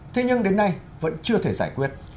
thế nhưng đến nay vẫn chưa thể giải quyết